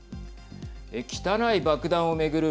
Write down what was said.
汚い爆弾を巡る